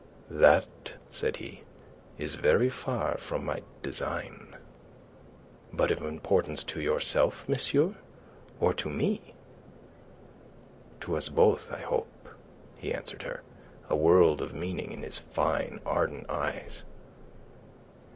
"That," said he, "is very far from my design." "But of importance to yourself, monsieur, or to me?" "To us both, I hope," he answered her, a world of meaning in his fine, ardent eyes.